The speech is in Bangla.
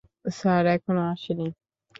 স্যার, এখনও আসেনি।